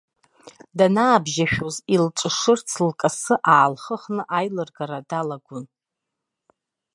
Данаабжьашәоз, илҿышырц лкасы аалхыхны, аилыргара далагон.